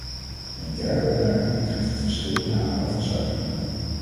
Mijn derde opmerking betreft het verschil in de aanpak van suiker.